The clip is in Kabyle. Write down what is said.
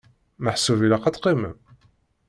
Meḥsub ilaq ad teqqimem?